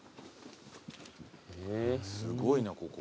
すごいなここ。